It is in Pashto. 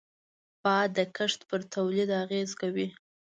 باد د کښت پر تولید اغېز کوي